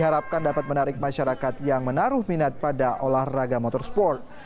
diharapkan dapat menarik masyarakat yang menaruh minat pada olahraga motorsport